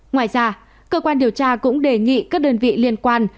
ngoài ra cơ quan điều tra cũng đề nghị các đơn vị liên quan